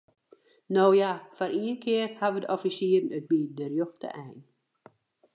No ja, foar ien kear hawwe de offisieren it by de rjochte ein.